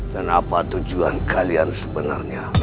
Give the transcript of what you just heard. dan apa tujuan kalian sebenarnya